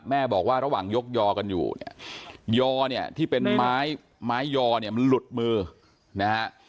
แม่บอกว่าระหว่างยกยอกันอยู่เนี่ยยอเนี่ยที่เป็นไม้ไม้ยอเนี่ยมันหลุดมือนะฮะ